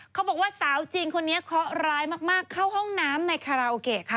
เขาบอกว่าสาวจีนคนนี้เคาะร้ายมากเข้าห้องน้ำในคาราโอเกะค่ะ